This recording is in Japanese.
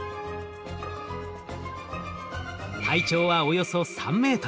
体長はおよそ３ｍ。